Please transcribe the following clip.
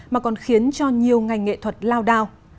mà còn khiến cho nhiều ngành nghệ thuật lao đao